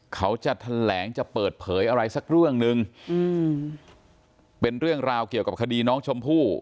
เขาจะแถลงจะเปิดเผยอะไรสักเรื่องหนึ่งอืมเป็นเรื่องราวเกี่ยวกับคดีน้องชมพู่